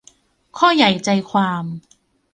ข้อใหญ่ใจความ